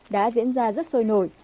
đã diễn ra rất sôi nổi